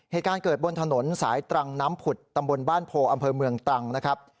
เหตุการณ์เกิดบนถนนสายตรังน้ำผุดตำบลบ้านโพอำเภอเมืองตรังนะครับ